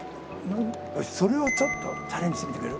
よしそれをちょっとチャレンジしてみてくれる？